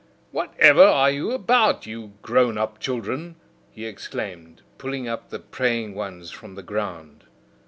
"Whatever are you about, ye grown up children?" he exclaimed, pulling up the praying ones from the ground.